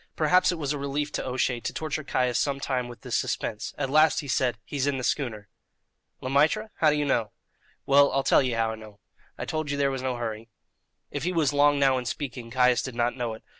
Perhaps it was a relief to O'Shea to torture Caius some time with this suspense. At last he said: "He's in the schooner." "Le Maître? How do you know?" "Well, I'll tell ye how I know. I told ye there was no hurry." If he was long now in speaking, Caius did not know it.